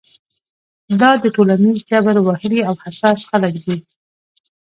دا د ټولنیز جبر وهلي او حساس خلک دي.